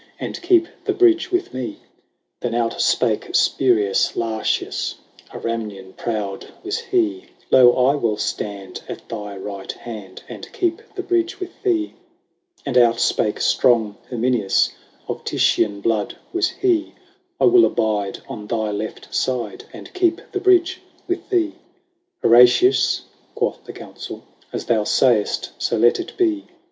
And keep the bridge with me ?" 58 LAYS OF ANCIENT ROME. XXX. Then out spake Spurius Lartius ; A Ramnian proud was he :" Lo, I will stand at thy right hand, And keep the bridge with thee." And out spake strong Herminius ; Of Titian blood was he :" I will abide on thy left side. And keep the bridge with thee." XXXI. " Horatius," quoth the Consul, " As thou say est, so let it be."